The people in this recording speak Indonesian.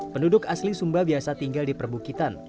penduduk asli sumba biasa tinggal di perbukitan